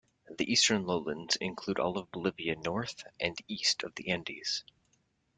The eastern lowlands include all of Bolivia north and east of the Andes.